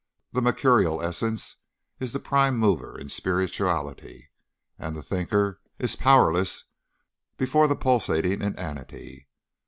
The mercurial essence is the prime mover in spirituality, and the thinker is powerless before the pulsating inanity.